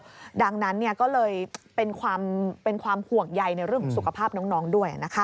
ที่สี่แล้วดังนั้นเนี่ยก็เลยเป็นความเป็นความห่วงใยในเรื่องสุขภาพน้องน้องด้วยนะคะ